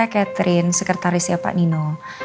iya pak saya catherine sekretaris ya pak nino